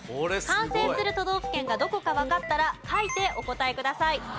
完成する都道府県がどこかわかったら書いてお答えください。